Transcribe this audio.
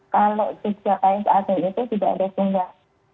kalau itu dika kayang paes ageng itu tidak ada sunggar